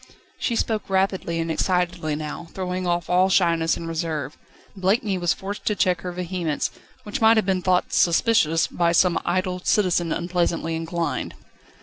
She spoke rapidly and excitedly now, throwing off all shyness and reserve. Blakeney was forced to check her vehemence, which might have been thought "suspicious" by some idle citizen unpleasantly inclined.